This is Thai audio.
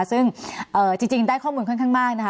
ซึ่งจริงได้ข้อมูลค่อนข้างมากนะคะ